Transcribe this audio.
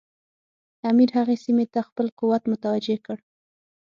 امیر هغې سیمې ته خپل قوت متوجه کړ.